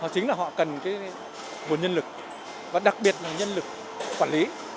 chính là họ cần nguồn nhân lực và đặc biệt là nhân lực quản lý